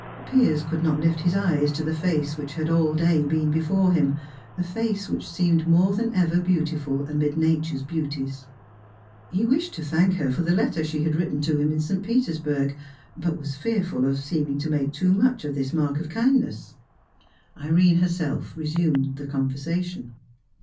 Piers could not lift his eyes to the face which had all day been before him, the face which seemed more than ever beautiful amid nature's beauties. He wished to thank her for the letter she had written him to St. Petersburg, but was fearful of seeming to make too much of this mark of kindness. Irene herself resumed the conversation.